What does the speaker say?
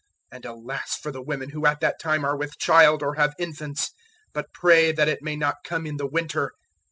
013:017 And alas for the women who at that time are with child or have infants! 013:018 "But pray that it may not come in the winter.